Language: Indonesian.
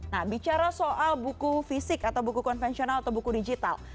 nah bicara soal buku fisik atau buku konvensional atau buku digital